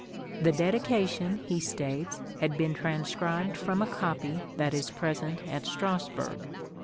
The Dedication, he states, had been " transcribed from a copy that is at present at Strasburg."